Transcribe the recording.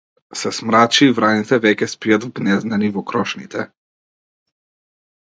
Се смрачи и враните веќе спијат вгнездени во крошните.